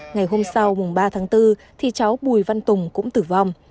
ngày hôm sau ba tháng bốn thì cháu bùi văn tùng cũng tử vong